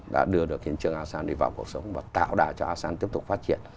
đã đưa được kiến trường asean đi vào cuộc sống và tạo đại cho asean tiếp tục phát triển